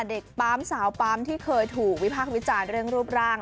เด็กปั๊มสาวปั๊มที่เคยถูกวิพากษ์วิจารณ์เรื่องรูปร่าง